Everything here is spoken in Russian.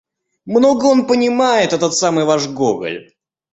Много он понимает — этот самый ваш Гоголь!